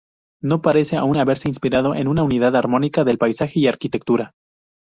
No parece aún haberse inspirado en una unidad armónica de paisaje y arquitectura.